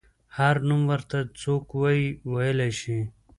هر نوم ورته څوک وايي ویلی شي.